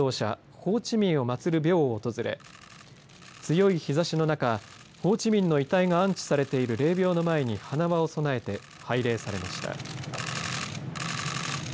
ホーチミンを祭るびょうを訪れ強い日ざしの中ホーチミンの遺体が安置されている霊びょうの前に花輪を供えて拝礼されました。